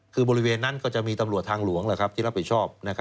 คือบริเวณนั้นก็จะมีตำรวจทางหลวงที่รับผิดชอบ